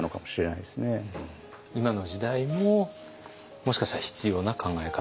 今の時代ももしかしたら必要な考え方？